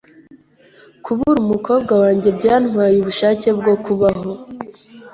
Kubura umukobwa wanjye byantwaye ubushake bwo kubaho